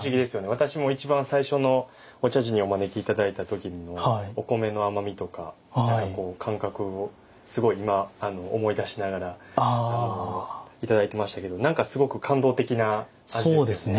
私も一番最初のお茶事にお招き頂いた時のお米の甘みとか感覚をすごい今思い出しながらいただいていましたけど何かすごく感動的な味ですよね。